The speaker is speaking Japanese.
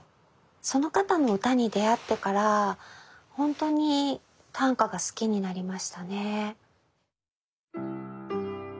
その方の歌に出会ってからほんとに短歌が好きになりましたね。